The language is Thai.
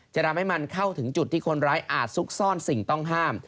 จะทำให้มันเข้าถึงจุดที่คนร้ายอาจซุกซ่อนสิ่งต้องห้าม